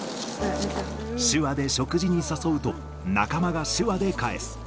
手話で食事に誘うと、仲間が手話で返す。